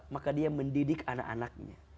maka dia mendidik anak anaknya